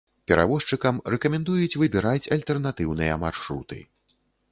Перавозчыкам рэкамендуюць выбіраць альтэрнатыўныя маршруты.